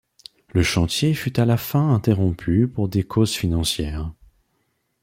Le chantier fut à la fin interrompu pour des causes financières.